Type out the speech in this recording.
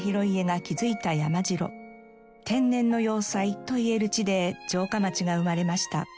天然の要塞といえる地で城下町が生まれました。